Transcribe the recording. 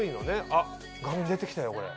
あっ画面出てきたよこれ。